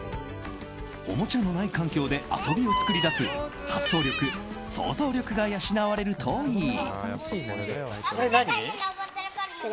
おもちゃのない環境で遊びを作り出す発想力、想像力が養われるといい。